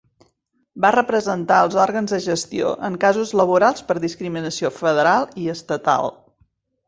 Va representar els òrgans de gestió en casos laborals per discriminació federal i estatal.